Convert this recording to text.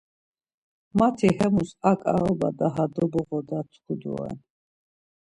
Mati hemus ar ǩaoba daha doboğoda tku doren.